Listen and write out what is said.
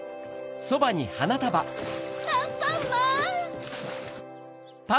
アンパンマン！